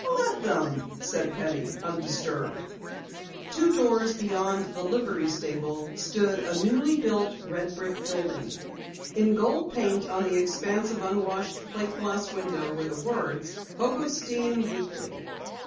"Let them," said Penny, undisturbed. Two doors beyond the livery stable stood a newly built red brick building. In gold paint on the expanse of unwashed plate glass window were the words: "Hobostein Weekly."